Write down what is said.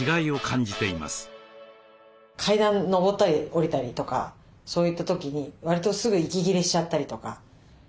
階段上ったり下りたりとかそういった時にわりとすぐ息切れしちゃったりとか。